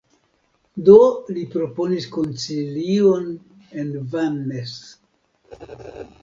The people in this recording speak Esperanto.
Do, li proponis koncilion en Vannes.